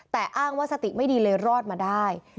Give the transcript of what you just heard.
แต่อ้างว่าสติไม่ดีเลยรอดมาได้